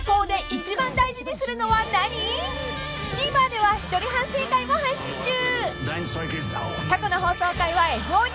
［ＴＶｅｒでは一人反省会も配信中］